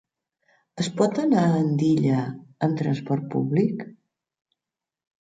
Es pot anar a Andilla amb transport públic?